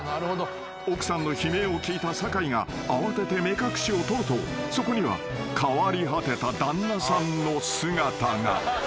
［奥さんの悲鳴を聞いた酒井が慌てて目隠しを取るとそこには変わり果てた旦那さんの姿が］